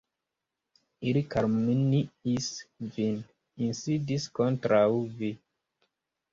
Ili kalumniis vin, insidis kontraŭ vi.